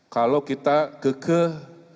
kalau kita kekeh